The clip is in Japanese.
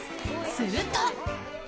すると。